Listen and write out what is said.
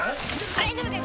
大丈夫です